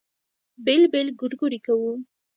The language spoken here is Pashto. بېل بېل ګورګورې کوو.